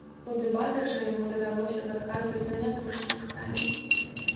У дэбатах жа яму давялося б адказваць на нязручныя пытанні.